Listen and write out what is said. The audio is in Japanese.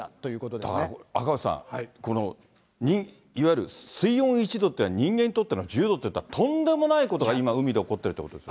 だから赤星さん、いわゆる水温１度っていうのは人間にとっては１０度っていったらとんでもないことが今、海で起こっているということですか。